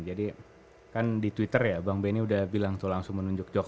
jadi kan di twitter ya bang benny sudah bilang itu langsung menunjuk jokowi